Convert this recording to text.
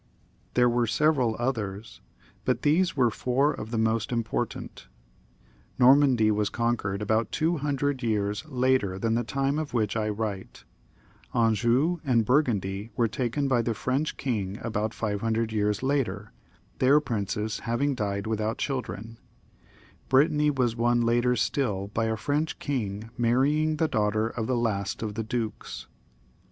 There were several others, but these were four of the most important Normandy was conquered about 200 years later than the time of which I write ; Anjou and Burgundy were taken by Hie French king about 500 years later, their prinoes having died without children ; Brittany was won later still by a IVench king marrying the daughter of the last of the dukes.